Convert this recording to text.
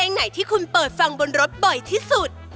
ไหนที่คุณเปิดฟังบนรถบ่อยที่สุด